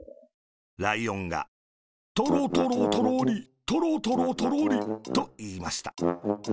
ライオンが「トロトロ、トロリ、トロトロ、トロリ。」と、いいました。